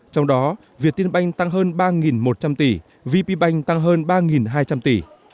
trong đó việt tiên banh tăng hơn ba một trăm linh tỷ vp bank tăng hơn ba hai trăm linh tỷ